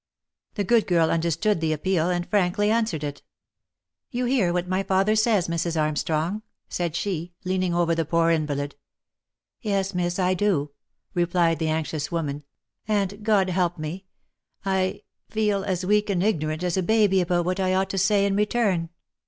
The good girl understood the appeal, and frankly answered it. " You hear what my father says, Mrs. Armstrong," said she, leaning over the poor invalid. » "Yes, miss, I do," replied the anxious woman, "and, God help me !— I feel as weak and ignorant as a baby about what I ought to say in return."